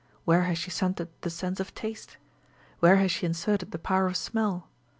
Where has she centred the sense of taste ? Where has she inserted the power of smell ?